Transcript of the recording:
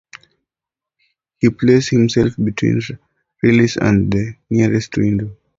He placed himself between Riley and the nearest window.